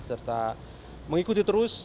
serta mengikuti terus